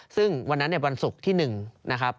ซึ่งวันนั้นวันศุกร์ที่๑นะครับ